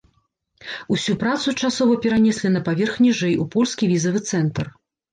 Усю працу часова перанеслі на паверх ніжэй у польскі візавы цэнтр.